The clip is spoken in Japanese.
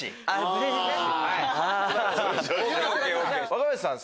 若林さん